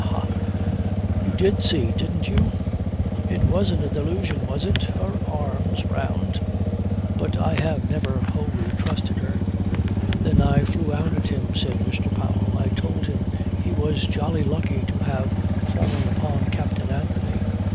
Ha! You did see! Didn't you? It wasn't a delusion was it? Her arms round ... But I have never wholly trusted her." "Then I flew out at him, said Mr. Powell. I told him he was jolly lucky to have fallen upon Captain Anthony.